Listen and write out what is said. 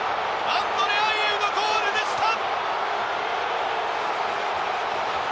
アンドレ・アイェウのゴールでした！